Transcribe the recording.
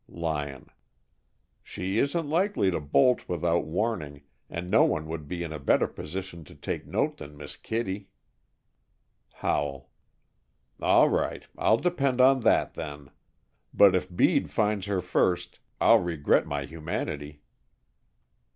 Lyon: "She isn't likely to bolt without warning, and no one would be in better position to take note than Miss Kittie." Howell: "All right, I'll depend on that, then. But if Bede finds her first, I'll regret my humanity."